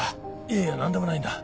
いやいやなんでもないんだ。